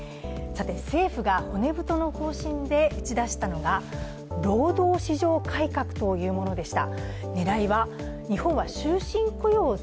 政府が骨太の方針で打ち出したのが労働市場改革というものでした。